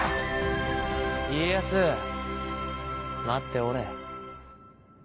家康待っておれ。